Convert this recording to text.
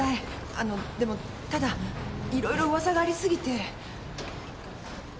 あのでもただいろいろ噂がありすぎて。